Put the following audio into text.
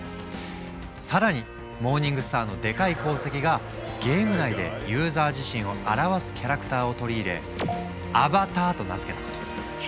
更にモーニングスターのでかい功績がゲーム内でユーザー自身を表すキャラクターを取り入れアバターと名付けたこと。